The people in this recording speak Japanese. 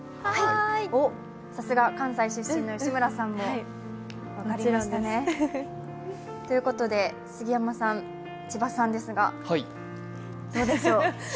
さすが関西出身の西村さんも。ということで、杉山さん、千葉さんですが、どうでしょう？